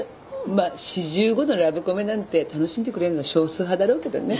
まあ４５のラブコメなんて楽しんでくれるのは少数派だろうけどね。